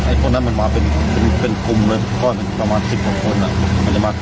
ไอ้คนนั้นมันมาเป็นเป็นคุมเลย